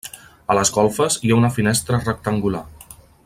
A les golfes, hi ha una finestra rectangular.